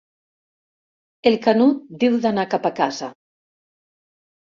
El Canut diu d'anar cap a casa.